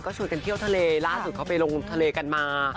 ก็ชวนกันเที่ยวทะเลครบนี้ก็ไปลงทะเลกันมา